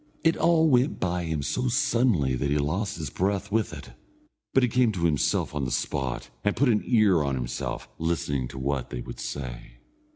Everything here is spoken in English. It all went by him so suddenly that he lost his breath with it, but he came to himself on the spot, and put an ear on himself, listening to what they would say.